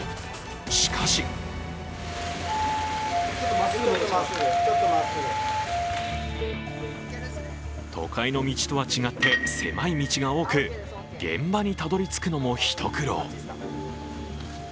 しかし都会の道とは違って、狭い道が多く現場にたどりつくのも一苦労。